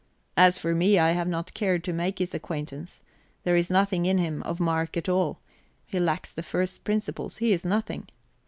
"As for me, I have not cared to make his acquaintance, there is nothing in him of mark at all; he lacks the first principles; he is nothing."